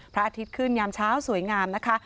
พระอาทิตย์ขึ้นยามเช้าสวยงามนะคะ